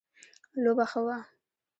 لوبه ښه وه